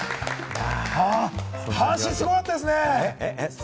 阪神、すごかったですね。